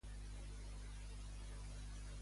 Macron ho vol aconseguir?